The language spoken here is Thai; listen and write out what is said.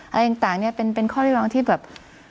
อะไรต่างเนี่ยเป็นข้อเรียกร้องที่แบบ